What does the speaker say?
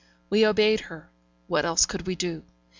We obeyed her what else could we do?